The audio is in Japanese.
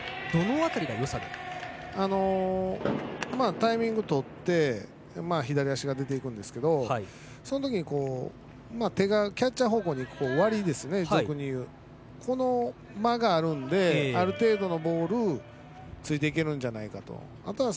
タイミングを取って左足が出ていくんですが手がキャッチャー方向にいくその間があるのである程度のボールについていけるんではないかと。